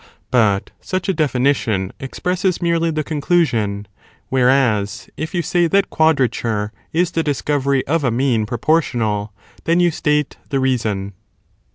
But such a definition expresses merely the conclusion. Whereas, if you say that quadrature is the discovery of a mean proportional, then you state the reason.